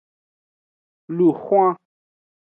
Lun xwan.